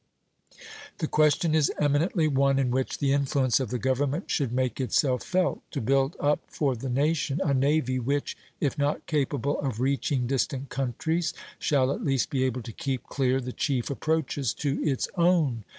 The question is eminently one in which the influence of the government should make itself felt, to build up for the nation a navy which, if not capable of reaching distant countries, shall at least be able to keep clear the chief approaches to its own.